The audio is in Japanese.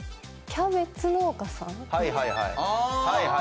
キャベツ農家さん。